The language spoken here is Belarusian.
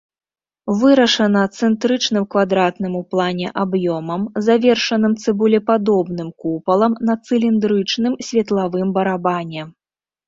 Вырашана цэнтрычным квадратным у плане аб'ёмам, завершаным цыбулепадобным купалам на цыліндрычным светлавым барабане.